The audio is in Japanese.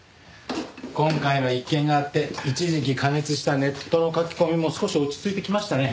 今回の一件があって一時期過熱したネットの書き込みも少し落ち着いてきましたね。